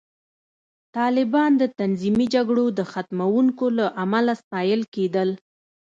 طالبان د تنظیمي جګړو د ختموونکو له امله ستایل کېدل